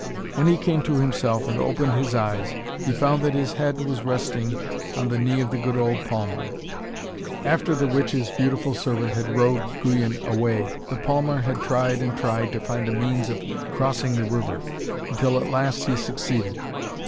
When he came to himself and opened his eyes, he found that his head was resting on the knee of the good old palmer. After the witch's beautiful servant had rowed Guyon away, the palmer had tried and tried to find a means of crossing the river, until at last he succeeded.